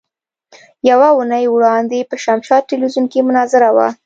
يوه اونۍ وړاندې په شمشاد ټلوېزيون کې مناظره وه.